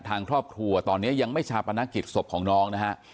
ทางครอบครัวตอนนี้ยังไม่ชาปนกิจศพของน้องนะฮะ